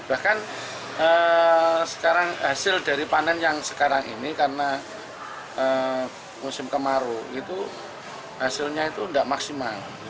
bahkan sekarang hasil dari panen yang sekarang ini karena musim kemarau itu hasilnya itu tidak maksimal